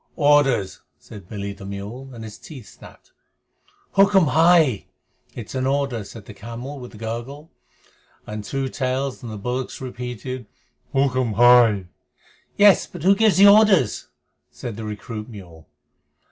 "Orders," said Billy the mule, and his teeth snapped. "Hukm hai!" (It is an order!), said the camel with a gurgle, and Two Tails and the bullocks repeated, "Hukm hai!" "Yes, but who gives the orders?" said the recruit mule.